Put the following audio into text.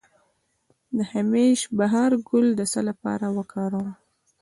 د همیش بهار ګل د څه لپاره وکاروم؟